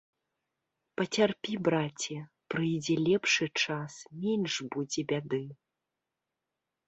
Пацярпі, браце, прыйдзе лепшы час, менш будзе бяды.